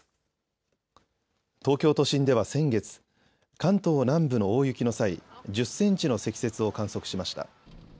東京都心では先月関東南部の大雪の際１０センチの積雪を観測しました。